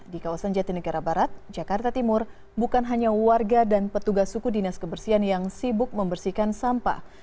di kawasan jatinegara barat jakarta timur bukan hanya warga dan petugas suku dinas kebersihan yang sibuk membersihkan sampah